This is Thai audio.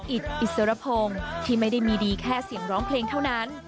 อิสรพงศ์ที่ไม่ได้มีดีแค่เสียงร้องเพลงเท่านั้น